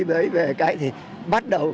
mới về cái thì bắt đầu